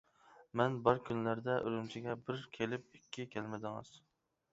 مەن بار كۈنلەردە ئۈرۈمچىگە بىر كېلىپ، ئىككى كەلمىدىڭىز.